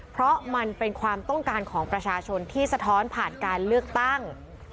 เพราะมันเป็นความต้องการของประชาชนที่สะท้อนผ่านการเลือกตั้ง